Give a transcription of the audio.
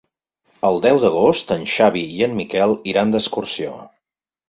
El deu d'agost en Xavi i en Miquel iran d'excursió.